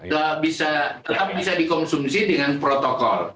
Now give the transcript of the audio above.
tetap bisa dikonsumsi dengan protokol